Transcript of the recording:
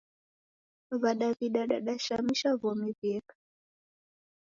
W'adaw'ida dadashamisha w'omi w'ieka.